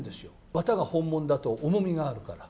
綿が本物だと重みがあるから。